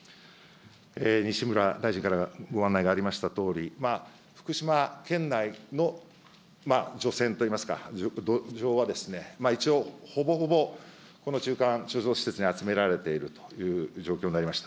西村大臣からご案内がありましたとおり、福島県内の除染といいますか、土壌は、一応、ほぼほぼこの中間貯蔵施設に集められているという状況になりました。